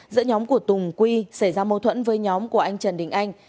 giữa nhóm của tùng quy xảy ra mâu thuẫn với nhóm của anh trần đình anh